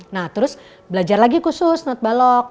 nah terus belajar lagi khusus not balok